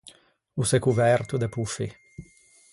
O s’é coverto de poffi.